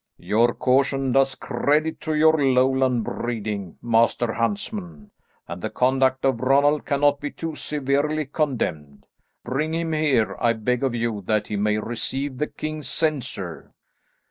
"Your caution does credit to your Lowland breeding, Master huntsman, and the conduct of Ronald cannot be too severely condemned. Bring him here, I beg of you, that he may receive the king's censure."